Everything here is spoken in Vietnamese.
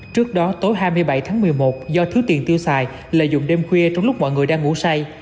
trước đó tối hai mươi bảy tháng một mươi một do thiếu tiền tiêu xài lợi dụng đêm khuya trong lúc mọi người đang ngủ say